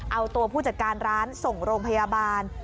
เอาตัวผู้จัดการร้านส่งโรงพยาบาล